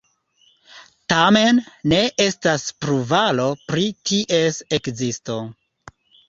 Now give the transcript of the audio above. Tamen, ne estas pruvaro pri ties ekzisto.